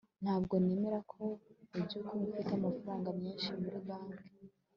Ntabwo nemera ko mubyukuri mfite amafaranga menshi muri banki